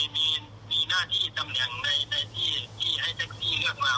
มีหน้าที่ตำแหน่งในที่ที่ให้แท็กซี่เลือกมา